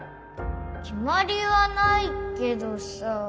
きまりはないけどさ。